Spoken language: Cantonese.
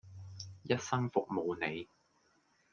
一生服務你